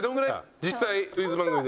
実際クイズ番組で。